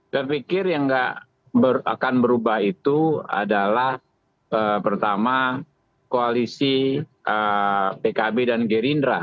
saya pikir yang akan berubah itu adalah pertama koalisi pkb dan gerindra